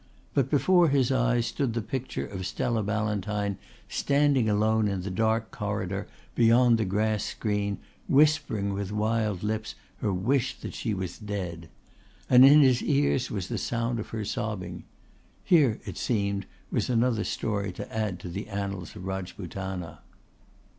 But before his eyes stood the picture of Stella Ballantyne standing alone in the dark corridor beyond the grass screen whispering with wild lips her wish that she was dead; and in his ears was the sound of her sobbing. Here, it seemed, was another story to add to the annals of Rajputana.